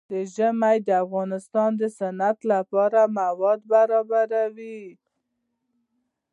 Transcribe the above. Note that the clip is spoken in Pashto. ژمی د افغانستان د صنعت لپاره مواد برابروي.